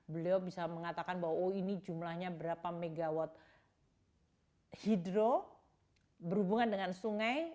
beliau bisa mengatakan bahwa oh ini jumlahnya berapa megawatt hidro berhubungan dengan sungai